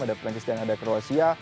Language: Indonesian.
ada perancis dan ada kroasia